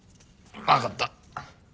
分かった。